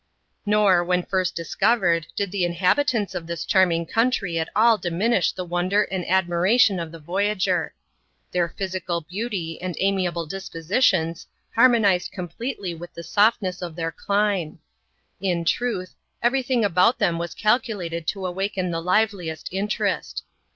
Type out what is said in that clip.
Nor, when first discovered, did' the inhabitants of this charm ing country at all diminish the wonder and admiration of the voyager. Their physical beauty and amiable dispositions har monized completely with the softness of their clime. In truth, every thing about them was calculated to awaken the liveHest interest.